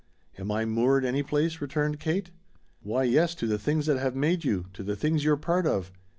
"Am I 'moored' any place?" returned Kate. "Why, yes; to the things that have made you to the things you're part of.